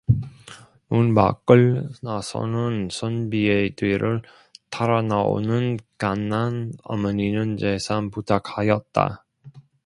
문밖을 나서는 선비의 뒤를 따라나오는 간난 어머니는 재삼 부탁하였다.